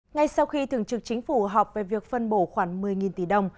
ngay sau khi thường trực chính phủ họp về việc phân bổ khoảng một mươi tỷ đồng